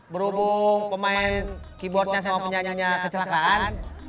berhubung pemain keyboardnya sama penyanyinya kecelakaan